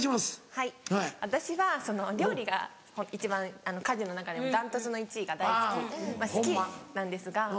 はい私はお料理が一番家事の中でも断トツの１位が大好き好きなんですが。